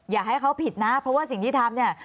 อย่าให้เขาผิดนะเพราะว่าสิ่งที่ทำเนี่ย